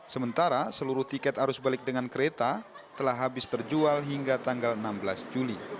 sementara seluruh tiket arus balik dengan kereta telah habis terjual hingga tanggal enam belas juli